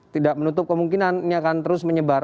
tidak menutup kemungkinan ini akan terus menyebar